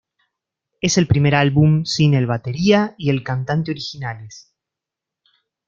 Es el primer álbum sin el batería y el cantante originales.